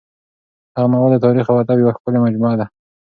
دغه ناول د تاریخ او ادب یوه ښکلې مجموعه ده.